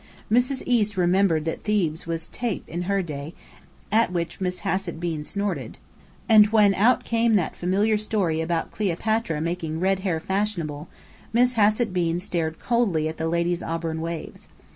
Mrs. East remembered that Thebes was Tape in "her day," at which Miss Hassett Bean snorted: and when out came that familiar story about Cleopatra making red hair fashionable, Miss Hassett Bean stared coldly at the lady's auburn waves.